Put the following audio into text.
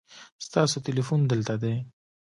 ستاسو تلیفون دلته دی